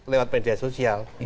lewat media sosial